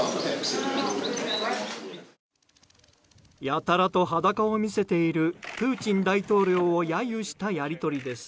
やたらと裸を見せているプーチン大統領を揶揄したやり取りです。